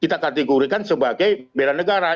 kita kategorikan sebagai bela negara